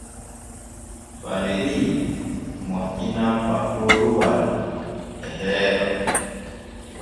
Falerii moƴƴinan pakoroowal e heeɗo.